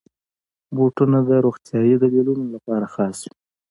بوټونه د روغتیايي دلیلونو لپاره خاص وي.